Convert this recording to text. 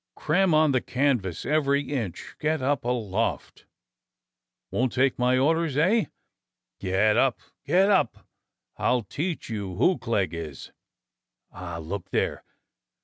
Cram on the canvas, every inch! Get up aloft! Won't take my orders, eh? Get up! Get up! I'll teach you who Clegg is ! Ah! look there!